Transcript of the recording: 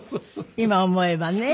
今思えばね。